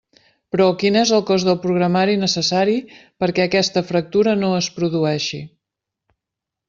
Però, quin és el cost del programari necessari perquè aquesta fractura no es produeixi?